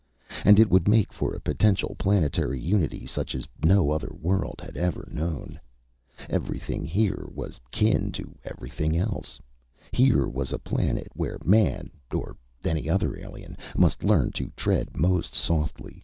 And it would make for a potential planetary unity such as no other world had ever known. Everything here was kin to everything else. Here was a planet where Man, or any other alien, must learn to tread most softly.